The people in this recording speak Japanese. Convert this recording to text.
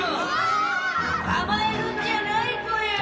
あまえるんじゃないぽよ！